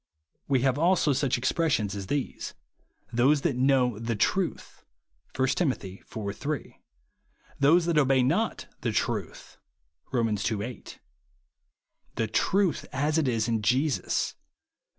We have also such exjDressions as these, " Those that know the truth,'' (1 Tim. iv. 3) ;" those that obey not the truth'' (Kom. ii. 8j ;" the truth as it is in Jesus," (Eph.